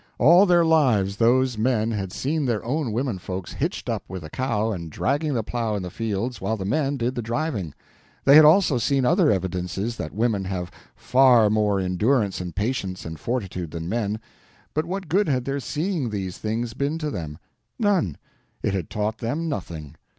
All their lives those men had seen their own women folks hitched up with a cow and dragging the plow in the fields while the men did the driving. They had also seen other evidences that women have far more endurance and patience and fortitude than men—but what good had their seeing these things been to them? None. It had taught them nothing.